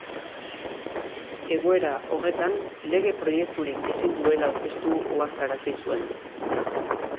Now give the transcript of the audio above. Egoera horretan lege proiekturik ezin duela aurkeztu ohartarazi zuen.